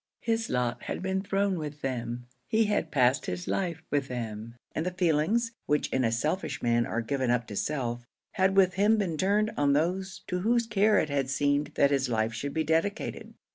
His lot had been thrown with them; he had passed his life with them, and the feelings, which in a selfish man are given up to self, had with him been turned on those to whose care it had seemed that his life should be dedicated.